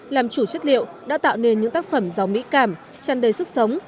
làm chủ chất liệu đã tạo nên những tác phẩm giàu mỹ cảm chăn đầy sức sống